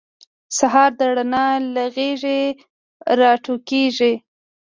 سهار د رڼا له غیږې راټوکېږي.